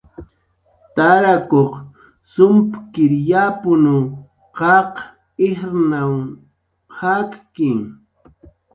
Tarakuq sumkir yapu, qaq ijrnaw jakki.